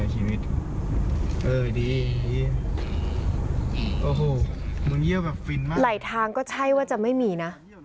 ไหลทางก็ใช่ว่าจะไม่มีนะ